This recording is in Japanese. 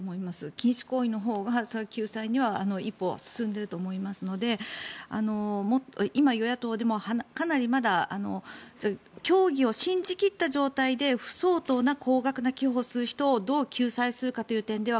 禁止行為のほうが救済には一歩進んでいると思いますので今、与野党でもかなりまだ教義を信じ切った状態で不相当な高額な寄付をする人をどう救済するかという点では